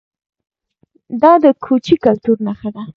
دا د کوچي کلتور نښه وه